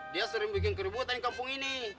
dia sering bikin keributan kampung ini